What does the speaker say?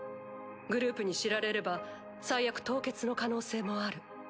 グループに知られれば最悪凍結の可能性もある。